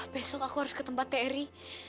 besok aku harus ke tempat tri